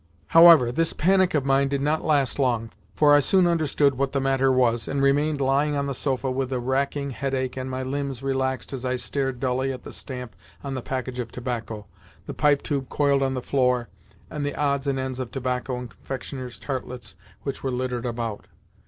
However, this panic of mine did not last long, for I soon understood what the matter with me was, and remained lying on the sofa with a racking headache and my limbs relaxed as I stared dully at the stamp on the package of tobacco, the Pipe tube coiled on the floor, and the odds and ends of tobacco and confectioner's tartlets which were littered about.